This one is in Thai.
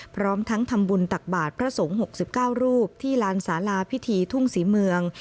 พร้อมทั้งทำบุญตักบาทพระสงฆ์๖๙รูปที่ลานศาลาพิธีทุ่งศรีเมือง